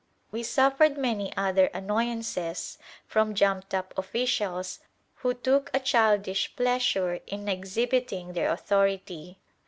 We suffered many other annoyances from jumped up officials who took a childish pleasure in exhibiting their authority.